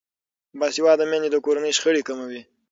باسواده میندې د کورنۍ شخړې کموي.